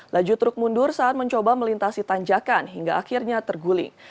laju truk mundur saat mencoba melintasi tanjakan hingga akhirnya terguling